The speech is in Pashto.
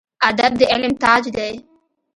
ادب د علم تاج دی